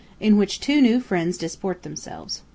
IN WHICH TWO NEW FRIENDS DISPORT THEMSELVES.